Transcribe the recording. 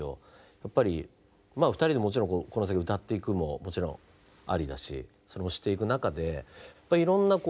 やっぱり２人でもちろんこの先歌っていくのももちろんありだしそれもしていく中でいろんなこういうコラボ